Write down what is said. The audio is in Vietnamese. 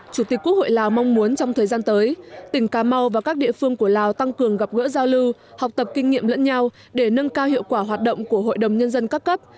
chủ tịch quốc hội lào mong muốn trong thời gian tới tỉnh cà mau và các địa phương của lào tăng cường gặp gỡ giao lưu học tập kinh nghiệm lẫn nhau để nâng cao hiệu quả hoạt động của hội đồng nhân dân các cấp